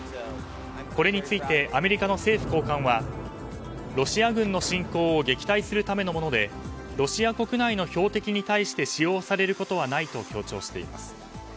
これについてアメリカの政府高官はロシア軍の侵攻を撃退するためのものでロシア国内の標的に対して使用されることはないと強調しています。